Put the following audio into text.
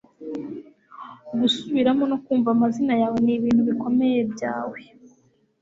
gusubiramo no kumva amazina yawe nibintu bikomeye byawe